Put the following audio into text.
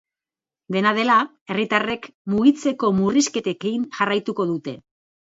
Dena dela, herritarrek mugitzeko murrizketekin jarraituko dute.